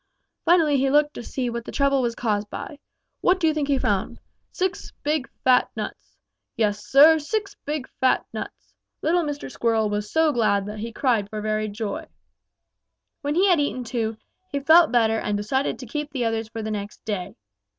Finally he looked to see what the trouble was caused by. What do you think he found? Six big, fat nuts! Yes, Sir, six big, fat nuts! Little Mr. Squirrel was so glad that he cried for very joy. "When he had eaten two, he felt better and decided to keep the others for the next day.